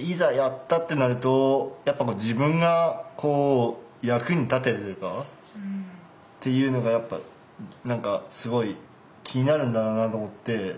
やったってなると自分がこう役に立ててるかっていうのがやっぱ何かすごい気になるんだろうなと思って。